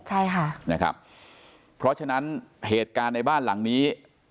ใช่ค่ะนะครับเพราะฉะนั้นเหตุการณ์ในบ้านหลังนี้